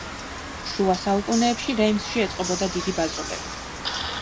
შუა საუკუნეებში რეიმსში ეწყობოდა დიდი ბაზრობები.